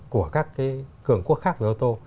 của các cái cường quốc khác về ô tô